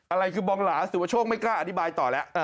อะไรคือบองหลาสุประโชคไม่กล้าอธิบายต่อแล้ว